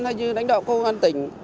hay như lãnh đạo công an tỉnh